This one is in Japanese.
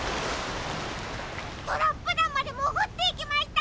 トラップだんまでもぐっていきました！